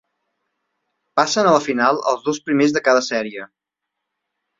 Passen a la final els dos primers de cada sèrie.